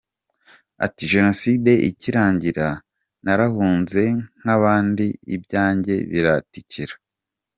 Ati “Jenoside ikirangira narahunze nk’abandi ibyanjye biratikira.